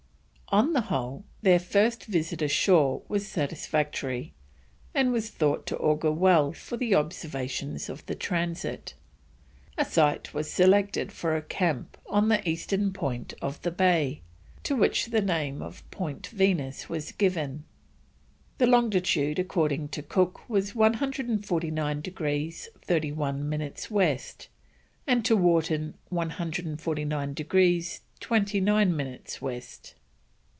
On the whole, their first visit ashore was satisfactory, and was thought to augur well for the observations of the Transit. A site was selected for a camp on the eastern point of the bay, to which the name of Point Venus was given, the longitude, according to Cook, 149 degrees 31 minutes West, and to Wharton, 149 degrees 29 minutes West.